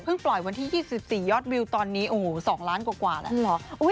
เพิ่งปล่อยวันที่๒๔ยอดวิวตอนนี้โอ้โฮ๒ล้านกว่าแล้ว